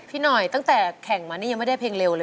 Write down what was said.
พี่หน่อยตั้งแต่แข่งมานี่ยังไม่ได้เพลงเร็วเลย